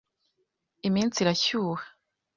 Iminsi irashyuha.